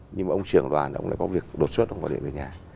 nhưng mà ông trưởng đoàn là ông lại có việc đột xuất không có để về nhà